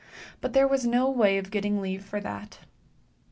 But there was no way of getting leave for that.